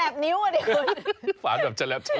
เฉียงเฉียงไงฉลาบนิ้วอ่ะเดี๋ยวคุณ